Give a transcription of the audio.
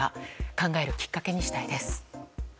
考えるきっかけにしたいです。